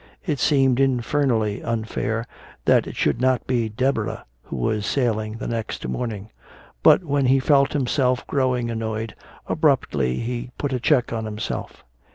It seemed infernally unfair that it should not be Deborah who was sailing the next morning. But when he felt himself growing annoyed, abruptly he put a check on himself.